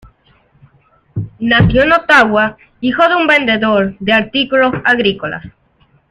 Nació en Ottawa, hijo de un vendedor de artículos agrícolas.